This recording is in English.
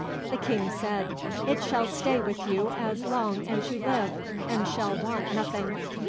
The King said, "It shall stay with you as long as you live, and shall want nothing."